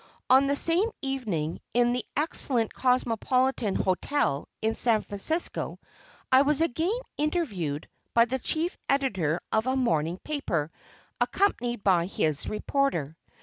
On the same evening, in the excellent Cosmopolitan Hotel, in San Francisco, I was again "interviewed" by the chief editor of a morning paper, accompanied by his reporter.